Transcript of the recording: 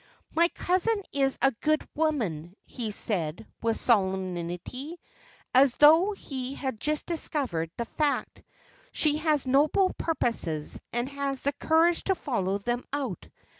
"My cousin is a good woman," he said, with solemnity, as though he had just discovered the fact. "She has noble purposes, and has the courage to follow them out.